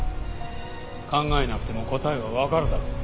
考えなくても答えはわかるだろう。